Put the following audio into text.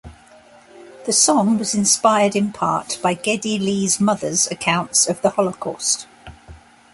The song was inspired in part by Geddy Lee's mother's accounts of the Holocaust.